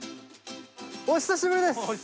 お久しぶりです。